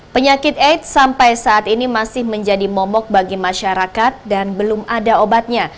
penyakit aids sampai saat ini masih menjadi momok bagi masyarakat dan belum ada obatnya